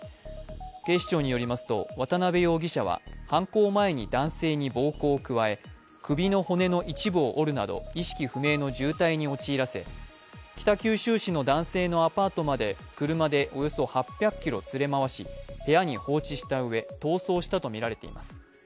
警視庁によりますと、渡辺容疑者は犯行前に男性に暴行を加え首の骨の一部を折るなど意識不明の重体に陥らせ北九州市の男性のアパートまで車でおよそ８００ｋｍ連れ回し部屋に放置したうえ、逃走したとみられています。